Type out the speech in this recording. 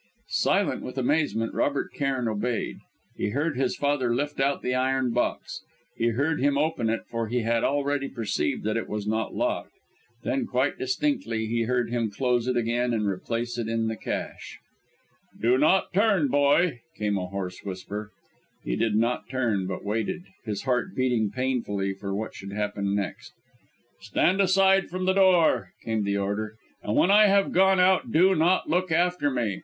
Silent with amazement, Robert Cairn obeyed. He heard his father lift out the iron box. He heard him open it, for he had already perceived that it was not locked. Then quite distinctly, he heard him close it again, and replace it in the cache. "Do not turn, boy!" came a hoarse whisper. He did not turn, but waited, his heart beating painfully, for what should happen next. "Stand aside from the door," came the order, "and when I have gone out, do not look after me.